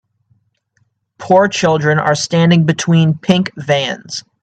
Poor children are standing between pink vans.